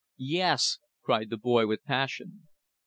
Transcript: "Yes" cried the boy with passion.